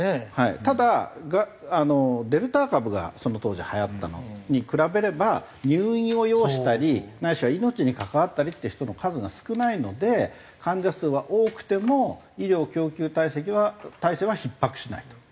ただデルタ株がその当時はやったのに比べれば入院を要したりないしは命に関わったりっていう人の数が少ないので患者数は多くても医療供給体制はひっ迫しないと。